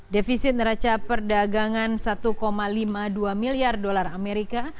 defisit neraca perdagangan satu lima puluh dua miliar dolar amerika